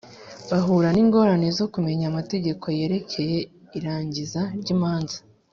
bahura n ingorane zo kumenya amategeko yerekeye irangiza ry imanza